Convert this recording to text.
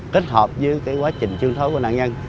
kết hợp với cái quá trình chương thối của nạn nhân